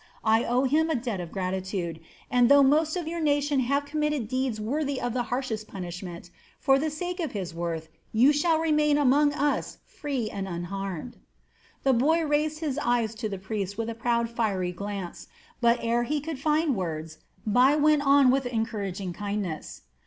I owe him a debt of gratitude, and though most of your nation have committed deeds worthy of the harshest punishment, for the sake of his worth you shall remain among us free and unharmed." The boy raised his eyes to the priest with a proud, fiery glance, but ere he could find words, Bai went on with encouraging kindness.